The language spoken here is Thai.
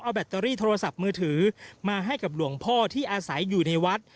แบตเตอรี่โทรศัพท์มือถือมาให้กับหลวงพ่อที่อาศัยอยู่ในวัด